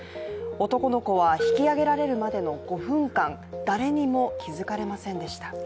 男の子は引き上げられるまでの５分間、誰にも気づかれませんでした。